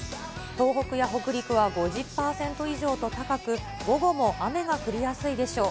東北や北陸は５０％以上と高く、午後も雨が降りやすいでしょう。